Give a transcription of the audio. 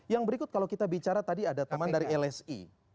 yang berikut kalau kita bicara tadi ada teman dari lsi